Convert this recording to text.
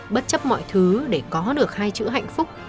bất chấp mọi thứ để có được hai chữ hạnh phúc